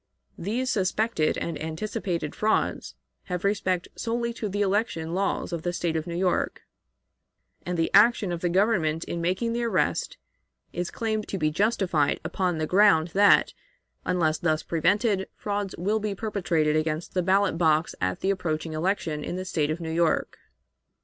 These suspected and anticipated frauds have respect solely to the election laws of the State of New York, and the action of the Government in making the arrest is claimed to be justified upon the ground that, unless thus prevented, frauds will be perpetrated against the ballot box at the approaching election in the State of New York.